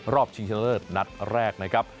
รอบชิงเชนเลอร์นัดแรกนะครับ